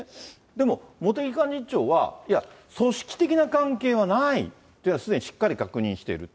でも、茂木幹事長は、いや、組織的な関係はないっていうのはすでにしっかり確認している。